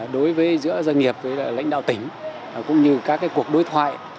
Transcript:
đối với giữa doanh nghiệp với lãnh đạo tỉnh cũng như các cuộc đối thoại